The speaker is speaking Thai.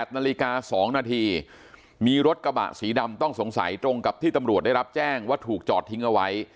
นาฬิกา๒นาทีมีรถกระบะสีดำต้องสงสัยตรงกับที่ตำรวจได้รับแจ้งว่าถูกจอดทิ้งเอาไว้